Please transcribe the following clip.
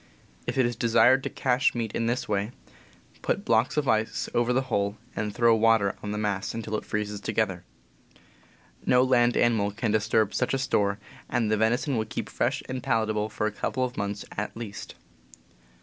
If it is desired to cache meat in this way, put blocks of ice over the hole and throw water on the mass until it freezes together. No land animal can disturb such a store, and the venison will keep fresh and palatable for a couple of months at least.